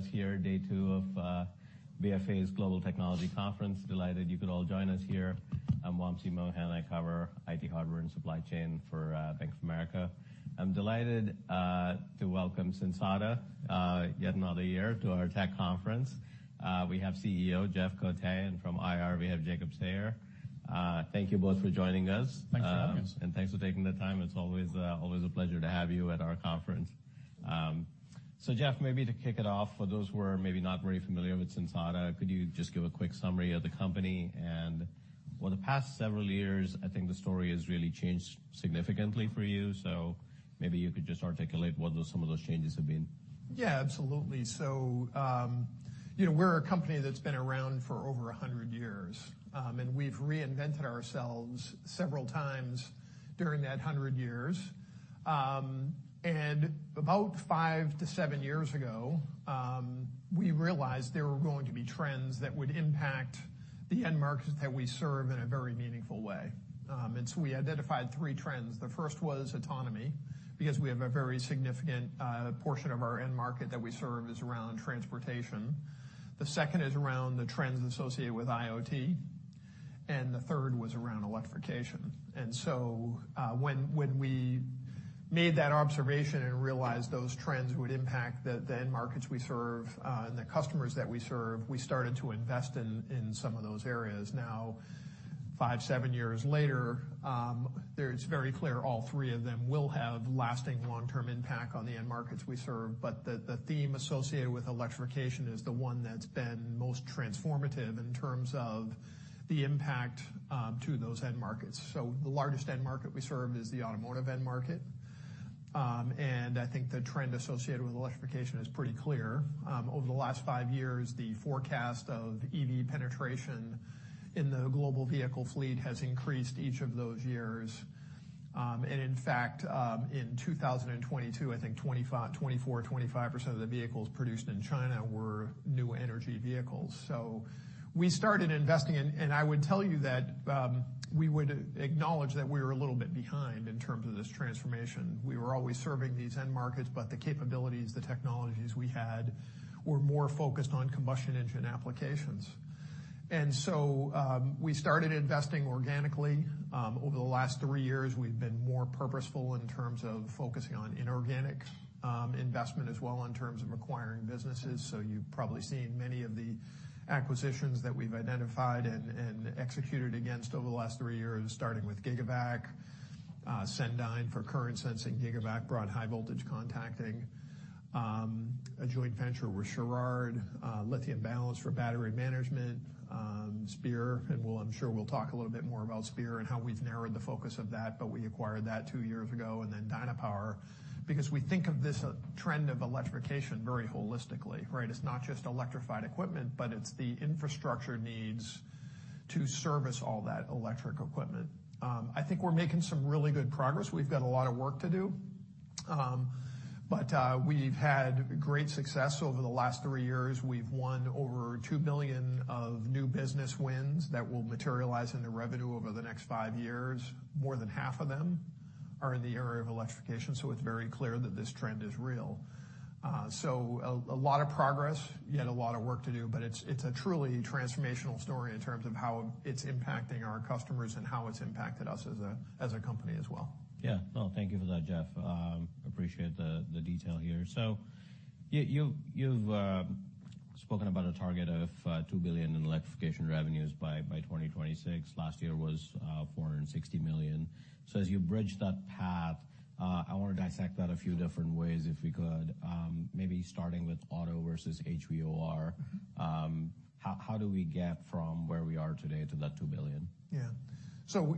Everyone, thank you for joining us here, day two of BofA's Global Technology Conference. Delighted you could all join us here. I'm Wamsi Mohan. I cover IT hardware and supply chain for Bank of America. I'm delighted to welcome Sensata yet another year to our tech conference. We have CEO Jeff Cote, and from IR, we have Jacob Sayer. Thank you both for joining us. Thanks for having us. Thanks for taking the time. It's always a pleasure to have you at our conference. Jeff, maybe to kick it off, for those who are maybe not very familiar with Sensata, could you just give a quick summary of the company? For the past several years, I think the story has really changed significantly for you, so maybe you could just articulate what those, some of those changes have been. Yeah, absolutely. You know, we're a company that's been around for over 100 years, and we've reinvented ourselves several times during that 100 years. About five to seven years ago, we realized there were going to be trends that would impact the end markets that we serve in a very meaningful way. We identified three trends. The first was autonomy, because we have a very significant portion of our end market that we serve is around transportation. The second is around the trends associated with IoT, and the third was around electrification. When we made that observation and realized those trends would impact the end markets we serve, and the customers that we serve, we started to invest in some of those areas. Now, five, seven years later, it's very clear all three of them will have lasting long-term impact on the end markets we serve, but the theme associated with electrification is the one that's been most transformative in terms of the impact to those end markets. The largest end market we serve is the automotive end market. I think the trend associated with electrification is pretty clear. Over the last five years, the forecast of EV penetration in the global vehicle fleet has increased each of those years. In fact, in 2022, I think 24%/25% of the vehicles produced in China were new energy vehicles. We started investing in, and I would tell you that, we would acknowledge that we were a little bit behind in terms of this transformation. We were always serving these end markets, but the capabilities, the technologies we had, were more focused on combustion engine applications. We started investing organically. Over the last three years, we've been more purposeful in terms of focusing on inorganic investment as well, in terms of acquiring businesses. You've probably seen many of the acquisitions that we've identified and executed against over the last three years, starting with GIGAVAC, Sendyne for current sensing. GIGAVAC brought high voltage contacting. A joint venture with Churod, Lithium Balance for battery management, Spear, and I'm sure we'll talk a little bit more about Spear and how we've narrowed the focus of that, but we acquired that two years ago, and then Dynapower. We think of this trend of electrification very holistically, right? It's not just electrified equipment, but it's the infrastructure needs to service all that electric equipment. I think we're making some really good progress. We've got a lot of work to do, but we've had great success over the last three years. We've won over $2 billion of new business wins that will materialize into revenue over the next five years. More than half of them are in the area of electrification, so it's very clear that this trend is real. A lot of progress, yet a lot of work to do, but it's a truly transformational story in terms of how it's impacting our customers and how it's impacted us as a company as well. Yeah. Well, thank you for that, Jeff. Appreciate the detail here. You've spoken about a target of $2 billion in electrification revenues by 2026. Last year was $460 million. As you bridge that path, I want to dissect that a few different ways, if we could. Maybe starting with auto versus HVOR. How do we get from where we are today to that $2 billion?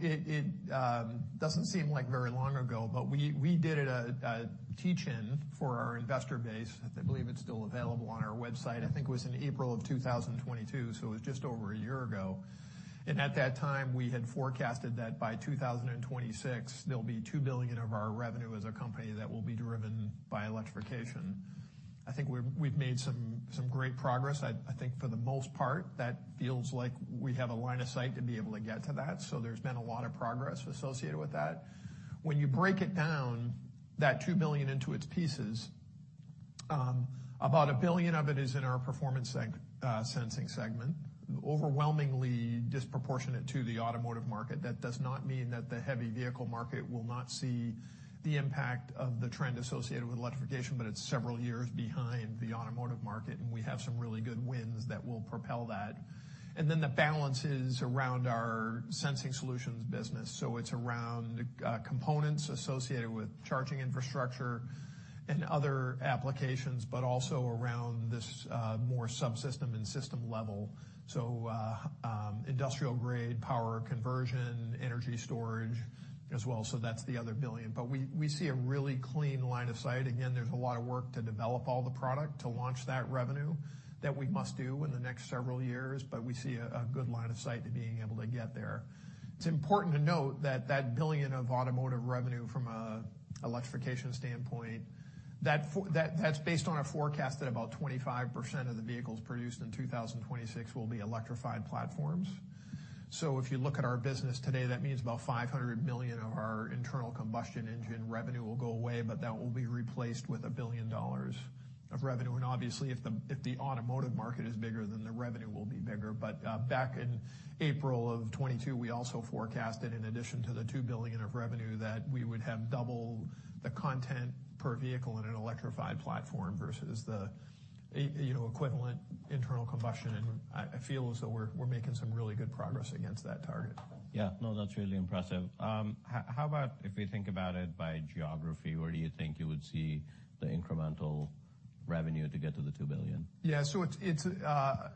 It doesn't seem like very long ago, but we did a teach-in for our investor base. I believe it's still available on our website. I think it was in April of 2022, so it was just over a year ago. At that time, we had forecasted that by 2026, there'll be $2 billion of our revenue as a company that will be driven by electrification. I think we've made some great progress. I think for the most part, that feels like we have a line of sight to be able to get to that, so there's been a lot of progress associated with that. When you break it down, that $2 billion into its pieces, about $1 billion of it is in our Performance Sensing segment, overwhelmingly disproportionate to the automotive market. That does not mean that the heavy vehicle market will not see the impact of the trend associated with electrification, but it's several years behind the automotive market, and we have some really good wins that will propel that. The balance is around our Sensing Solutions business, so it's around components associated with charging infrastructure and other applications, but also around this more subsystem and system level. Industrial-grade power conversion, energy storage as well, so that's the other $1 billion. We see a really clean line of sight. There's a lot of work to develop all the product to launch that revenue that we must do in the next several years, but we see a good line of sight to being able to get there. It's important to note that billion of automotive revenue from a electrification standpoint, that's based on a forecast that about 25% of the vehicles produced in 2026 will be electrified platforms. If you look at our business today, that means about $500 million of our internal combustion engine revenue will go away, but that will be replaced with $1 billion of revenue. Obviously, if the automotive market is bigger, then the revenue will be bigger. Back in April of 2022, we also forecasted, in addition to the $2 billion of revenue, that we would have double the content per vehicle in an electrified platform versus the you know, equivalent internal combustion engine. I feel as though we're making some really good progress against that target. Yeah. No, that's really impressive. How about if we think about it by geography, where do you think you would see the incremental revenue to get to the $2 billion? Yeah. It's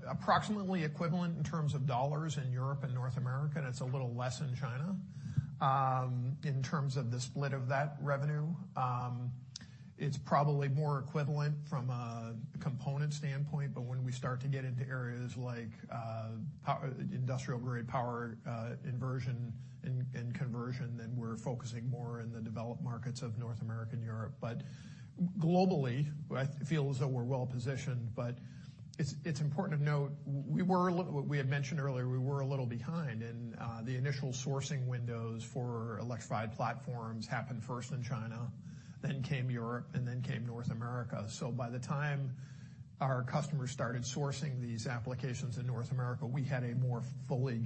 approximately equivalent in terms of dollars in Europe and North America, and it's a little less in China. In terms of the split of that revenue, it's probably more equivalent from a component standpoint, but when we start to get into areas like industrial-grade power inversion and conversion, we're focusing more in the developed markets of North America and Europe. Globally, I feel as though we're well-positioned, but it's important to note, we were a little. We had mentioned earlier, we were a little behind in the initial sourcing windows for electrified platforms happened first in China, then came Europe, and then came North America. By the time our customers started sourcing these applications in North America, we had a more fully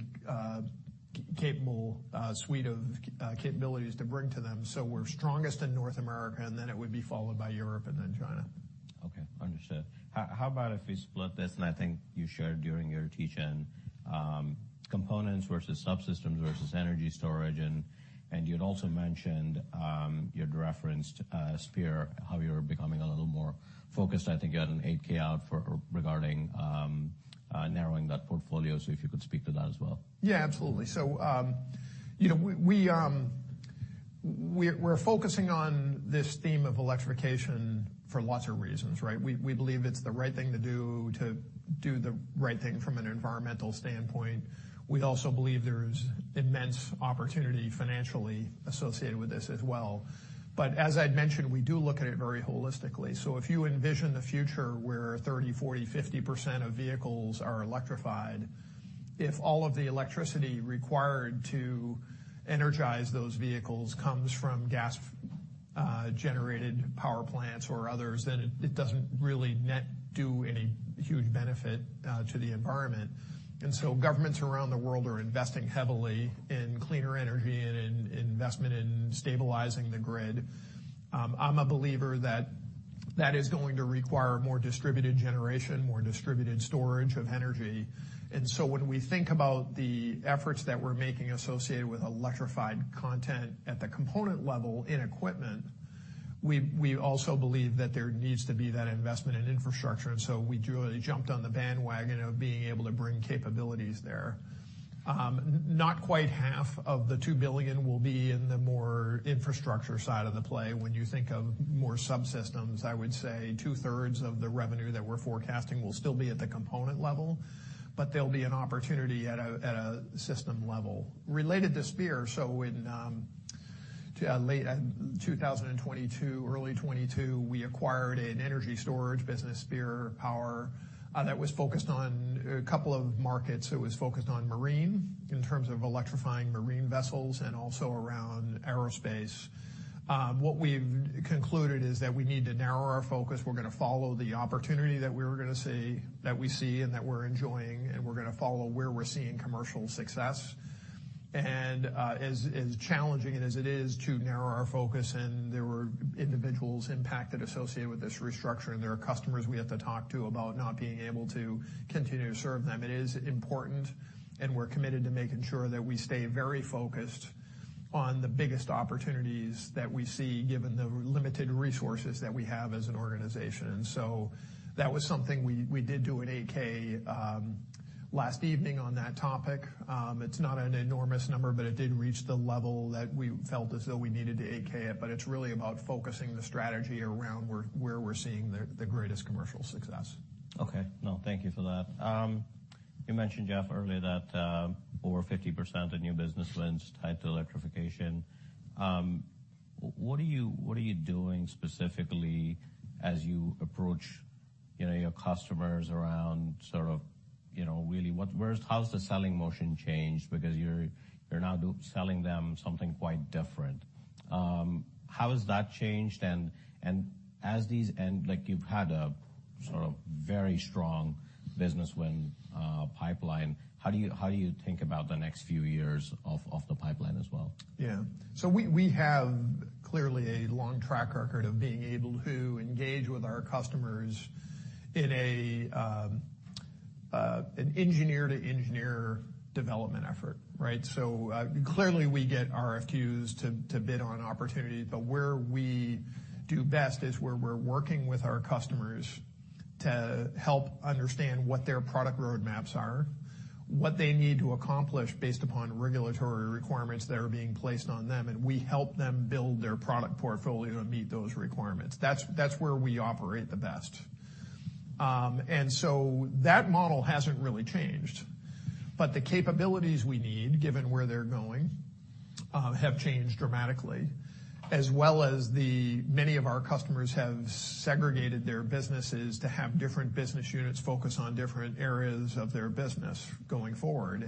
capable suite of capabilities to bring to them. We're strongest in North America, and then it would be followed by Europe and then China. Okay, understood. How about if we split this, and I think you shared during your teach-in, components versus subsystems versus energy storage, and you'd also mentioned, you'd referenced Spear, how you're becoming a little more focused, I think, at an 8-K out for, regarding narrowing that portfolio. If you could speak to that as well? Yeah, absolutely. you know, we're focusing on this theme of electrification for lots of reasons, right? We believe it's the right thing to do, to do the right thing from an environmental standpoint. We also believe there's immense opportunity financially associated with this as well. As I'd mentioned, we do look at it very holistically. If you envision a future where 30%, 40%, 50% of vehicles are electrified, if all of the electricity required to energize those vehicles comes from gas generated power plants or others, then it doesn't really net do any huge benefit to the environment. Governments around the world are investing heavily in cleaner energy and in investment in stabilizing the grid. I'm a believer that that is going to require more distributed generation, more distributed storage of energy. When we think about the efforts that we're making associated with electrified content at the component level in equipment, we also believe that there needs to be that investment in infrastructure. We truly jumped on the bandwagon of being able to bring capabilities there. Not quite 1/2 of the $2 billion will be in the more infrastructure side of the play. When you think of more subsystems, I would say 2/3 of the revenue that we're forecasting will still be at the component level, but there'll be an opportunity at a system level. Related to Spear, in late 2022, early 2022, we acquired an energy storage business, Spear Power, that was focused on a couple of markets. It was focused on marine, in terms of electrifying marine vessels, and also around aerospace. What we've concluded is that we need to narrow our focus. We're gonna follow the opportunity that we see and that we're enjoying, and we're gonna follow where we're seeing commercial success. As challenging as it is to narrow our focus, and there were individuals impacted associated with this restructuring, there are customers we have to talk to about not being able to continue to serve them, it is important, and we're committed to making sure that we stay very focused on the biggest opportunities that we see, given the limited resources that we have as an organization. That was something we did do an 8-K, last evening on that topic. It's not an enormous number. It did reach the level that we felt as though we needed to 8-K it. It's really about focusing the strategy around where we're seeing the greatest commercial success. Okay. No, thank you for that. You mentioned, Jeff, earlier that over 50% of new business wins tied to electrification. What are you doing specifically as you approach, you know, your customers around sort of, you know, really, how's the selling motion changed? Because you're now selling them something quite different. How has that changed, and as these... Like, you've had a sort of very strong business win pipeline. How do you think about the next few years of the pipeline as well? We have clearly a long track record of being able to engage with our customers in an engineer-to-engineer development effort. Clearly, we get RFQs to bid on opportunity, but where we do best is where we're working with our customers to help understand what their product roadmaps are, what they need to accomplish based upon regulatory requirements that are being placed on them, and we help them build their product portfolio to meet those requirements. That's where we operate the best. That model hasn't really changed, but the capabilities we need, given where they're going, have changed dramatically, as well as many of our customers have segregated their businesses to have different business units focus on different areas of their business going forward.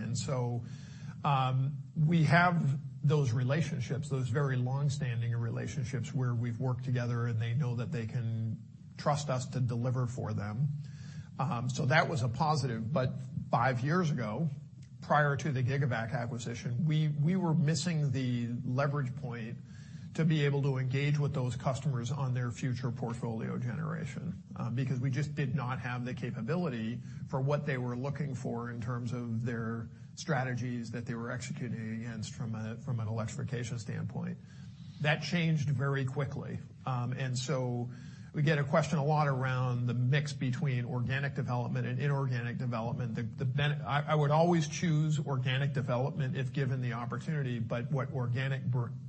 We have those relationships, those very long-standing relationships, where we've worked together, and they know that they can trust us to deliver for them. That was a positive. But five years ago, prior to the GIGAVAC acquisition, we were missing the leverage point to be able to engage with those customers on their future portfolio generation, because we just did not have the capability for what they were looking for in terms of their strategies that they were executing against from an electrification standpoint. That changed very quickly. We get a question a lot around the mix between organic development and inorganic development. I would always choose organic development if given the opportunity, but what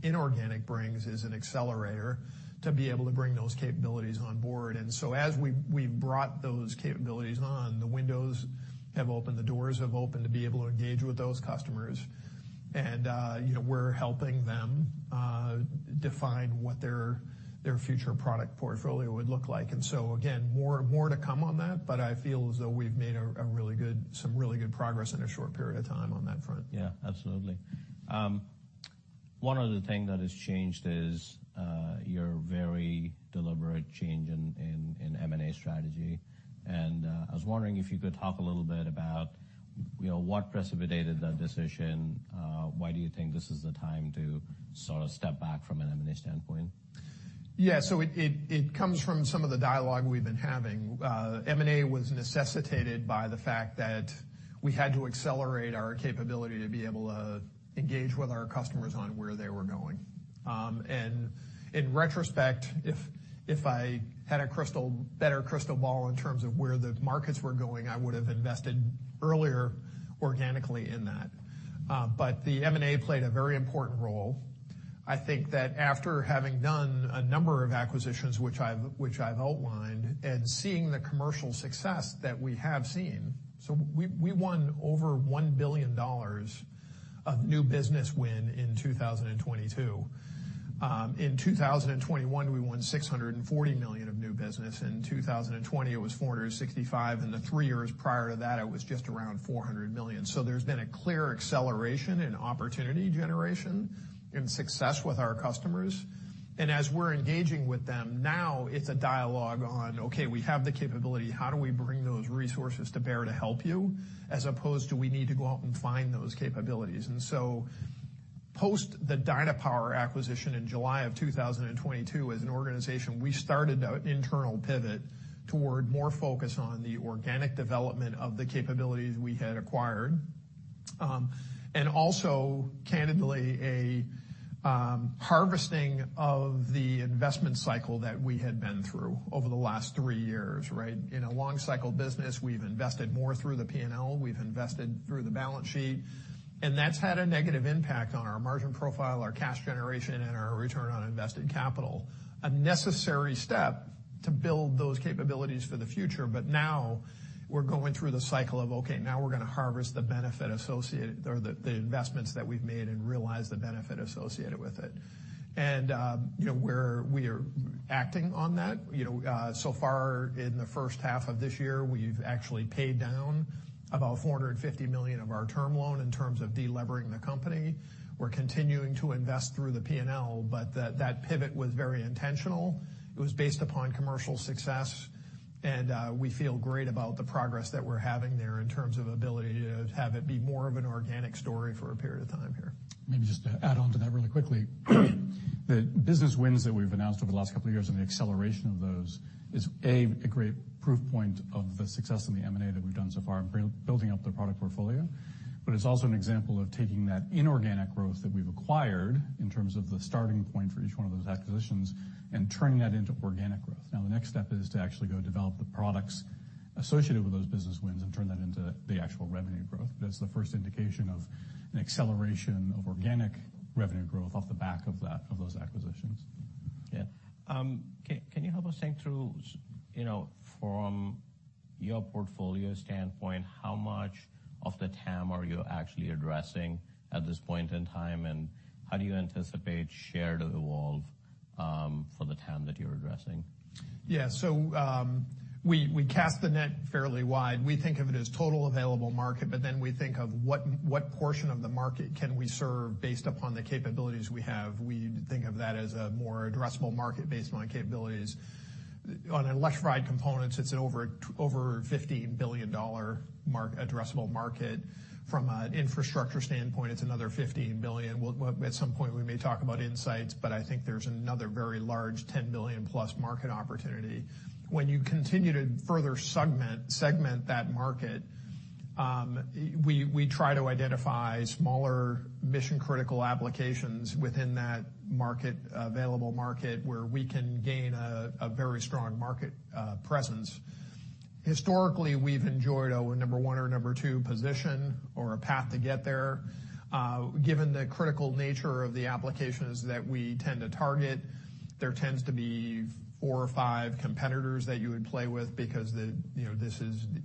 inorganic brings is an accelerator to be able to bring those capabilities on board. As we've brought those capabilities on, the windows have opened, the doors have opened to be able to engage with those customers, and, you know, we're helping them define what their future product portfolio would look like. Again, more to come on that, but I feel as though we've made some really good progress in a short period of time on that front. Yeah, absolutely. One other thing that has changed is your very deliberate change in M&A strategy. I was wondering if you could talk a little bit about, you know, what precipitated that decision? Why do you think this is the time to sort of step back from an M&A standpoint? It comes from some of the dialogue we've been having. M&A was necessitated by the fact that we had to accelerate our capability to be able to engage with our customers on where they were going. In retrospect, if I had a better crystal ball in terms of where the markets were going, I would've invested earlier organically in that. But the M&A played a very important role. I think that after having done a number of acquisitions, which I've outlined, and seeing the commercial success that we have seen. We won over $1 billion of new business win in 2022. In 2021, we won $640 million of new business. In 2020, it was $465 million, and the three years prior to that, it was just around $400 million. There's been a clear acceleration in opportunity generation and success with our customers. As we're engaging with them, now it's a dialogue on, "Okay, we have the capability. How do we bring those resources to bear to help you?" As opposed to, "We need to go out and find those capabilities." Post the Dynapower acquisition in July of 2022, as an organization, we started an internal pivot toward more focus on the organic development of the capabilities we had acquired. And also, candidly, a harvesting of the investment cycle that we had been through over the last three years, right? In a long cycle business, we've invested more through the P&L, we've invested through the balance sheet, and that's had a negative impact on our margin profile, our cash generation, and our return on invested capital, a necessary step to build those capabilities for the future. Now we're going through the cycle of, okay, now we're gonna harvest the benefit associated, or the investments that we've made and realize the benefit associated with it. You know, we're, we are acting on that. You know, so far in the first half of this year, we've actually paid down about $450 million of our term loan in terms of deleveraging the company. We're continuing to invest through the P&L, that pivot was very intentional. It was based upon commercial success, and we feel great about the progress that we're having there in terms of ability to have it be more of an organic story for a period of time here. Maybe just to add on to that really quickly, the business wins that we've announced over the last couple of years and the acceleration of those is, A, a great proof point of the success in the M&A that we've done so far in building up the product portfolio. It's also an example of taking that inorganic growth that we've acquired, in terms of the starting point for each one of those acquisitions, and turning that into organic growth. Now, the next step is to actually go develop the products associated with those business wins and turn that into the actual revenue growth. It's the first indication of an acceleration of organic revenue growth off the back of those acquisitions. Yeah. Can you help us think through, you know, from your portfolio standpoint, how much of the TAM are you actually addressing at this point in time? How do you anticipate share to evolve, for the TAM that you're addressing? Yeah. We cast the net fairly wide. We think of it as total available market, but then we think of what portion of the market can we serve based upon the capabilities we have. We think of that as a more addressable market based on capabilities. On electrified components, it's an over $15 billion addressable market. From an infrastructure standpoint, it's another $15 billion. We'll, at some point, we may talk about INSIGHTS, but I think there's another very large $10 billion+ market opportunity. When you continue to further segment that market, we try to identify smaller mission-critical applications within that market, available market, where we can gain a very strong market presence. Historically, we've enjoyed a number one or number two position, or a path to get there. Given the critical nature of the applications that we tend to target, there tends to be four or five competitors that you would play with because the, you know,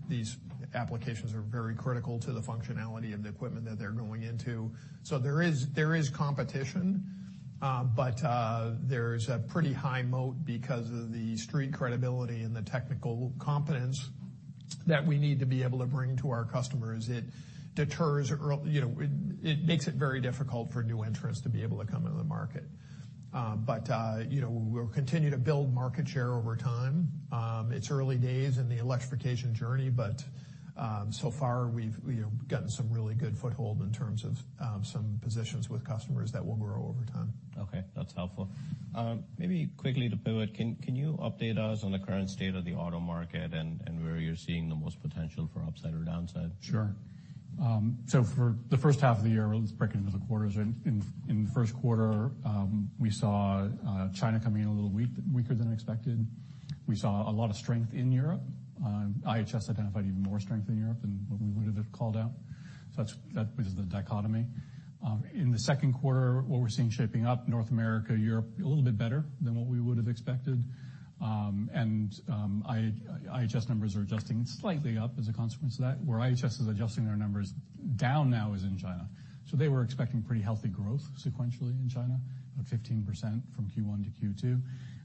these applications are very critical to the functionality of the equipment that they're going into. There is competition, but there's a pretty high moat because of the street credibility and the technical competence that we need to be able to bring to our customers. It deters you know, it makes it very difficult for new entrants to be able to come into the market. You know, we'll continue to build market share over time. It's early days in the electrification journey, but, so far, we've, you know, gotten some really good foothold in terms of, some positions with customers that will grow over time. That's helpful. Maybe quickly to pivot, can you update us on the current state of the auto market and where you're seeing the most potential for upside or downside? Sure. For the first half of the year, let's break it into the quarters. In the Q1, we saw China coming in a little weak, weaker than expected. We saw a lot of strength in Europe. IHS identified even more strength in Europe than what we would have called out. That's, that is the dichotomy. In the Q2, what we're seeing shaping up, North America, Europe, a little bit better than what we would have expected. And IHS numbers are adjusting slightly up as a consequence of that. Where IHS is adjusting their numbers down now is in China. They were expecting pretty healthy growth sequentially in China, about 15% from Q1 to Q2.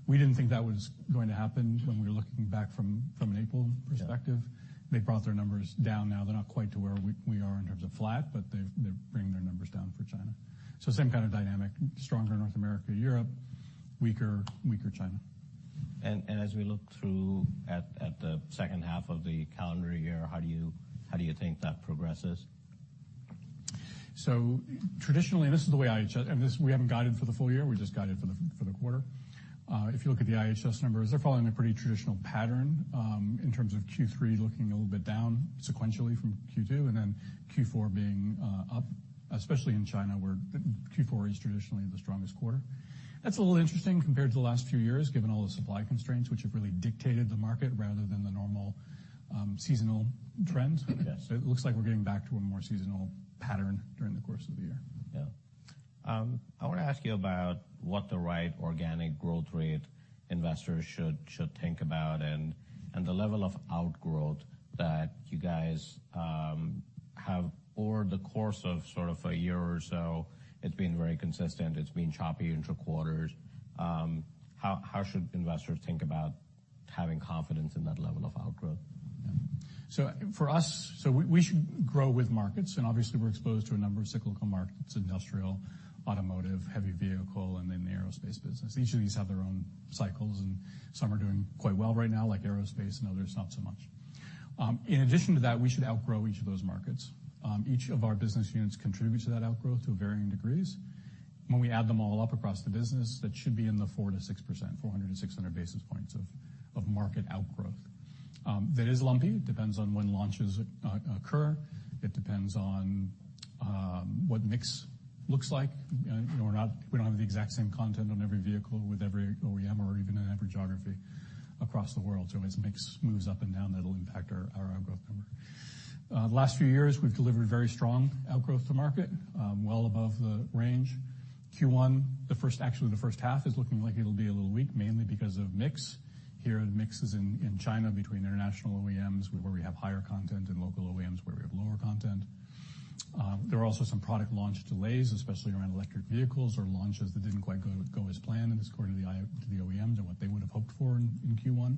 We didn't think that was going to happen when we were looking back from an April perspective. Yeah. They brought their numbers down. They're not quite to where we are in terms of flat, but they've, they're bringing their numbers down for China. Same kind of dynamic, stronger North America, Europe, weaker China. As we look through at the second half of the calendar year, how do you think that progresses? Traditionally, this is the way IHS. This, we haven't guided for the full year, we just guided for the quarter. If you look at the IHS numbers, they're following a pretty traditional pattern, in terms of Q3 looking a little bit down sequentially from Q2, and then Q4 being up, especially in China, where Q4 is traditionally the strongest quarter. That's a little interesting compared to the last few years, given all the supply constraints, which have really dictated the market rather than the normal seasonal trends. Yes. It looks like we're getting back to a more seasonal pattern during the course of the year. I want to ask you about what the right organic growth rate investors should think about, and the level of outgrowth that you guys have over the course of sort of a year or so. It's been very consistent. It's been choppy intra-quarters. How should investors think about having confidence in that level of outgrowth? For us, we should grow with markets, obviously, we're exposed to a number of cyclical markets, industrial, automotive, heavy vehicle, and then the aerospace business. Each of these have their own cycles, some are doing quite well right now, like aerospace, and others, not so much. In addition to that, we should outgrow each of those markets. Each of our business units contribute to that outgrowth to varying degrees. When we add them all up across the business, that should be in the 4%-6%, 400 basis points-600 basis points of market outgrowth. That is lumpy. It depends on when launches occur. It depends on what mix looks like. You know, we're not, we don't have the exact same content on every vehicle with every OEM or even in every geography across the world. As mix moves up and down, that'll impact our outgrowth number. The last few years, we've delivered very strong outgrowth to market, well above the range. Q1, the first half is looking like it'll be a little weak, mainly because of mix. Here, the mix is in China between international OEMs, where we have higher content, and local OEMs, where we have lower content. There are also some product launch delays, especially around electric vehicles or launches that didn't quite go as planned in this quarter to the OEMs or what they would have hoped for in Q1.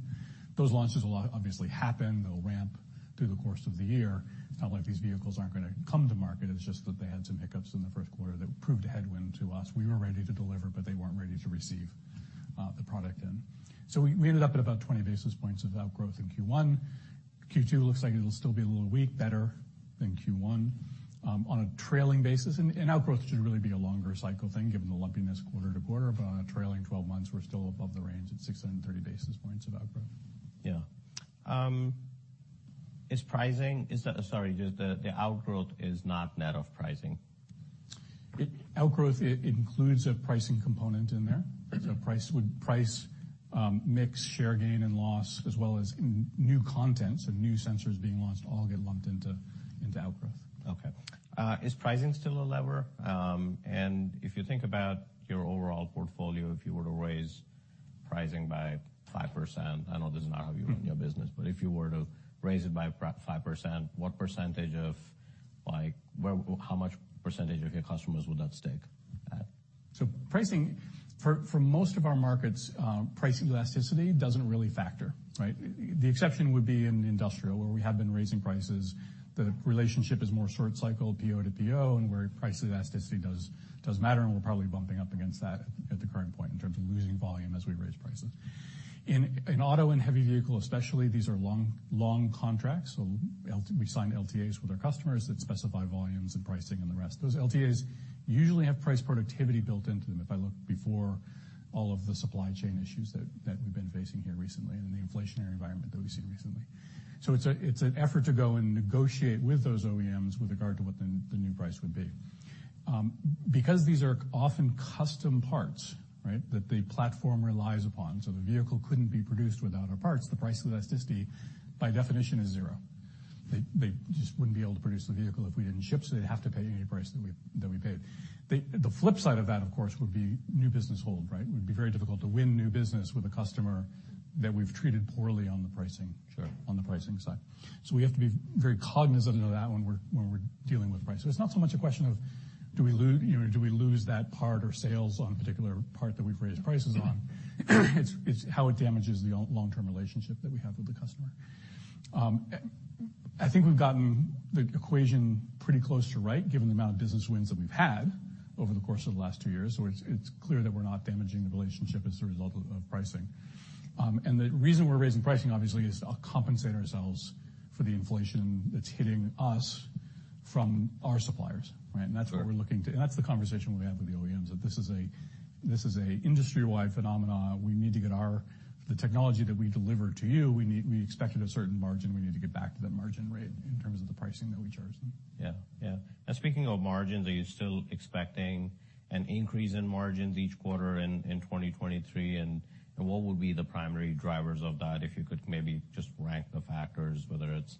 Those launches will obviously happen. They'll ramp through the course of the year. It's not like these vehicles aren't gonna come to market. It's just that they had some hiccups in the first quarter that proved a headwind to us. We were ready to deliver, but they weren't ready to receive, the product in. We ended up at about 20 basis points of outgrowth in Q1. Q2 looks like it'll still be a little weak, better than Q1, on a trailing basis, and outgrowth should really be a longer cycle thing, given the lumpiness quarter to quarter. On a trailing twelve months, we're still above the range at 630 basis points of outgrowth. Yeah. Is the... Sorry, just the outgrowth is not net of pricing? Outgrowth includes a pricing component in there. Okay. Price, mix, share gain and loss, as well as new content, so new sensors being launched, all get lumped into outgrowth. Okay. Is pricing still a lever? If you think about your overall portfolio, if you were to raise pricing by 5%, I know this is not how you run your business, but if you were to raise it by 5%, how much percentage of your customers would that stick at? Pricing, for most of our markets, price elasticity doesn't really factor, right? The exception would be in industrial, where we have been raising prices. The relationship is more short cycle, PO to PO, and where price elasticity does matter, and we're probably bumping up against that at the current point in terms of losing volume as we raise prices. In auto and heavy vehicle especially, these are long contracts, so we sign LTAs with our customers that specify volumes and pricing and the rest. Those LTAs usually have price productivity built into them. If I look before all of the supply chain issues that we've been facing here recently and the inflationary environment that we've seen recently. It's an effort to go and negotiate with those OEMs with regard to what the new price would be. Because these are often custom parts, right, that the platform relies upon, so the vehicle couldn't be produced without our parts, the price elasticity, by definition, is zero. They just wouldn't be able to produce the vehicle if we didn't ship, so they'd have to pay any price that we paid. The flip side of that, of course, would be new business hold, right? It would be very difficult to win new business with a customer that we've treated poorly on the pricing- Sure. On the pricing side. We have to be very cognizant of that when we're dealing with price. It's not so much a question of do we lose, you know, do we lose that part or sales on a particular part that we've raised prices on? It's how it damages the long-term relationship that we have with the customer. I think we've gotten the equation pretty close to right, given the amount of business wins that we've had over the course of the last two years, where it's clear that we're not damaging the relationship as a result of pricing. The reason we're raising pricing, obviously, is to compensate ourselves for the inflation that's hitting us from our suppliers, right? Sure. That's what we're looking to. That's the conversation we have with the OEMs, that this is an industry-wide phenomena. We need to get our the technology that we deliver to you, we expect at a certain margin, we need to get back to that margin rate in terms of the pricing that we charge them. Yeah. Yeah. Speaking of margins, are you still expecting an increase in margins each quarter in 2023? What would be the primary drivers of that, if you could maybe just rank the factors, whether it's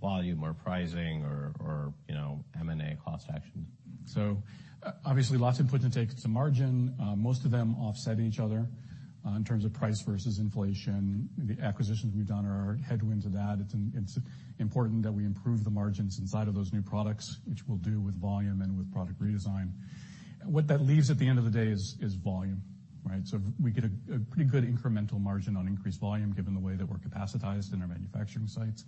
volume or pricing or, you know, M&A cost actions? Obviously, lots of inputs and takes to margin. Most of them offset each other. In terms of price versus inflation, the acquisitions we've done are headwinds of that. It's important that we improve the margins inside of those new products, which we'll do with volume and with product redesign. What that leaves at the end of the day is volume, right? We get a pretty good incremental margin on increased volume, given the way that we're capacitized in our manufacturing sites,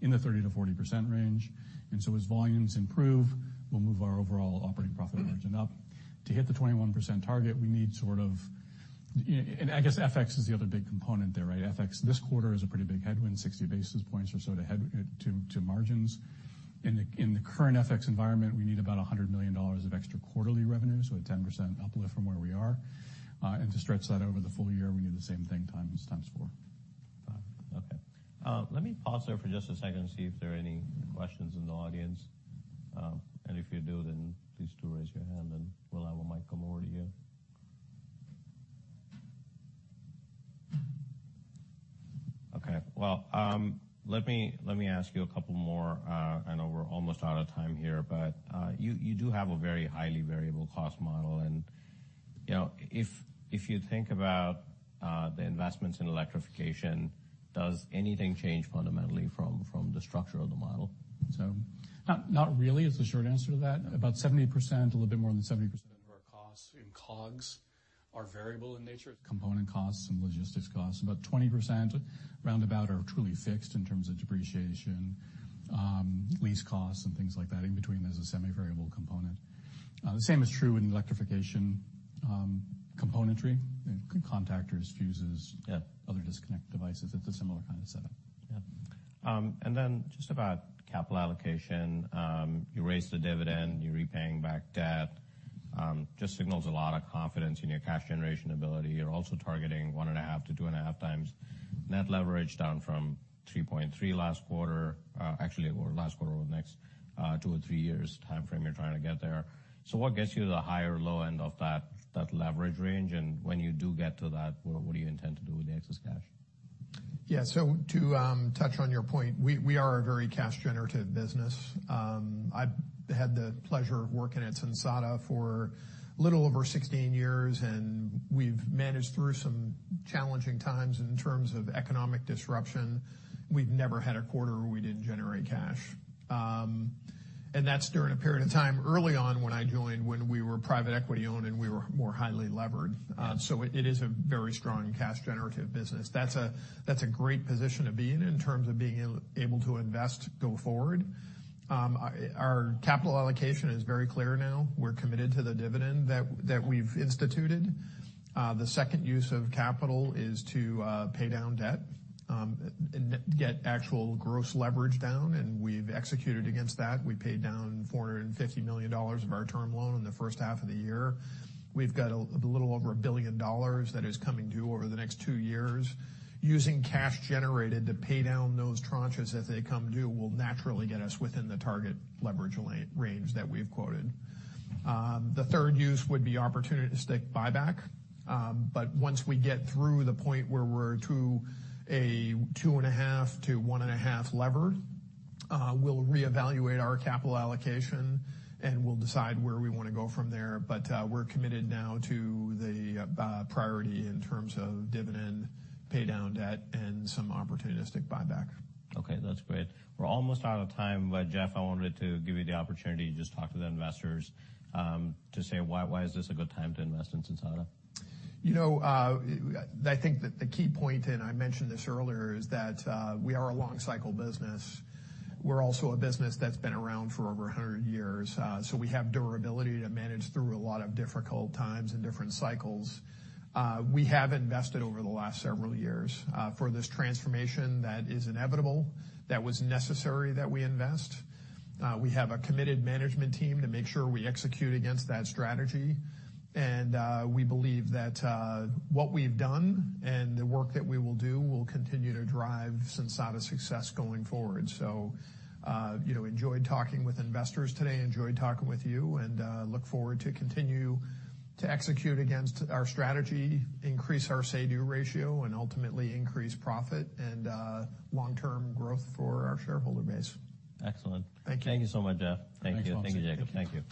in the 30%-40% range. As volumes improve, we'll move our overall operating profit margin up. To hit the 21% target, we need sort of... I guess FX is the other big component there, right? FX this quarter is a pretty big headwind, 60 basis points or so to margins. In the current FX environment, we need about $100 million of extra quarterly revenue, so a 10% uplift from where we are. To stretch that over the full year, we need the same thing, times four. Okay. Let me pause there for just a second and see if there are any questions in the audience. If you do, then please do raise your hand, and we'll have a mic come over to you. Okay, well, let me ask you a couple more. I know we're almost out of time here, but you do have a very highly variable cost model. You know, if you think about the investments in electrification, does anything change fundamentally from the structure of the model? Not really, is the short answer to that. About 70%, a little bit more than 70% of our costs in COGS are variable in nature, component costs and logistics costs. About 20%, roundabout, are truly fixed in terms of depreciation, lease costs, and things like that. In between, there's a semi-variable component. The same is true in electrification, componentry, contactors, fuses. Yeah... other disconnect devices. It's a similar kind of setup. Yeah. Then just about capital allocation. You raised the dividend, you're repaying back debt, just signals a lot of confidence in your cash generation ability. You're also targeting 1.5x-2.5x net leverage, down from 3.3x last quarter. Actually, well, last quarter over the next, two or three years timeframe, you're trying to get there. What gets you to the high or low end of that leverage range? When you do get to that, what do you intend to do with the excess cash? Yeah. To touch on your point, we are a very cash-generative business. I've had the pleasure of working at Sensata for a little over 16 years, and we've managed through some challenging times in terms of economic disruption. We've never had a quarter where we didn't generate cash. And that's during a period of time early on, when I joined, when we were private equity owned, and we were more highly levered. Yeah. It is a very strong cash-generative business. That's a great position to be in in terms of being able to invest go forward. Our capital allocation is very clear now. We're committed to the dividend that we've instituted. The second use of capital is to pay down debt, get actual gross leverage down, and we've executed against that. We paid down $450 million of our term loan in the first half of the year. We've got a little over $1 billion that is coming due over the next two years. Using cash generated to pay down those tranches as they come due, will naturally get us within the target leverage range that we've quoted. The third use would be opportunistic buyback. Once we get through the point where we're to a 2.5x-1.5x lever, we'll reevaluate our capital allocation, and we'll decide where we want to go from there. We're committed now to the priority in terms of dividend, pay down debt, and some opportunistic buyback. Okay, that's great. We're almost out of time, Jeff, I wanted to give you the opportunity to just talk to the investors, to say why is this a good time to invest in Sensata? You know, I think that the key point, and I mentioned this earlier, is that we are a long-cycle business. We're also a business that's been around for over 100 years, so we have durability to manage through a lot of difficult times and different cycles. We have invested over the last several years for this transformation that is inevitable, that was necessary that we invest. We have a committed management team to make sure we execute against that strategy. We believe that what we've done and the work that we will do will continue to drive Sensata's success going forward. You know, enjoyed talking with investors today, enjoyed talking with you, and look forward to continue to execute against our strategy, increase our say-do ratio, and ultimately increase profit and long-term growth for our shareholder base. Excellent. Thank you. Thank you so much, Jeff. Thank you. Thanks, Wamsi. Thank you, Jacob. Thank you.